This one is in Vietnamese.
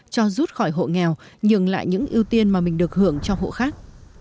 cho rút khỏi hộ nghèo nhường lại những ưu tiên mà mình được hưởng cho hộ khác